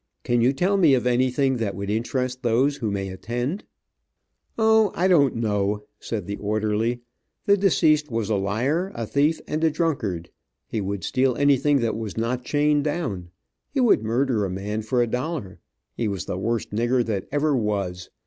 Can you tell me of anything that would interest those who may attend?" "O, I don't know," said the orderly. "The deceased was a liar, a thief, and a drunkard. He would steal anything that was not chained down. He would murder a man for a dollar. He was the worst nigger that ever was.